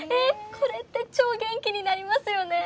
これって超元気になりますよね。